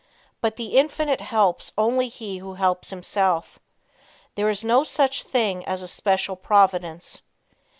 But the Infinite helps only he who helps himself. There is no such thing as a Special "Providence."